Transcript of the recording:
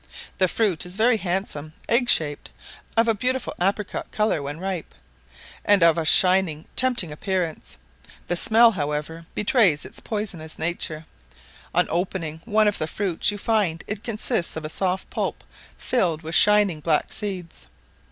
The fruit is very handsome, eggshaped, of a beautiful apricot colour when ripe, and of a shining tempting appearance; the smell, however, betrays its poisonous nature: on opening one of the fruits you find it consists of a soft pulp filled with shining black seeds.